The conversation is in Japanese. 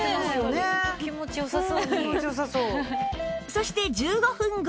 そして１５分後